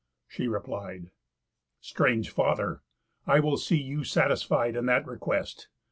She replied: "Strange father, I will see you satisfied In that request.